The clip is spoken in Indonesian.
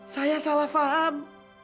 saya salah paham